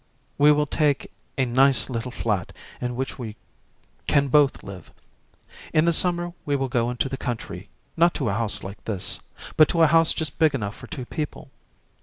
We will take a nice little flat in which we can both live. In the summer we will go into the country, not to a house like this, but to a house just big enough for two people.